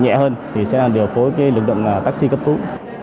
thì sẽ điều phối cái lực động taxi cấp cứu